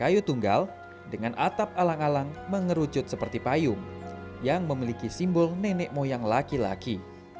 yang merucut seperti payung yang memiliki simbol nenek moyang laki laki